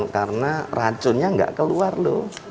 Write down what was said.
karena racunnya nggak keluar lho